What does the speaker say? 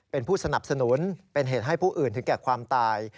เป็นผู้สนับสนุนเป็นเหตุให้ผู้อื่นถึงแก่ความตาย